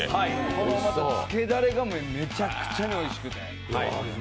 このまた、つけだれがめちゃくちゃにおいしくて。